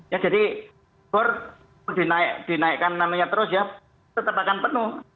ya jadi bor dinaikkan namanya terus ya tetap akan penuh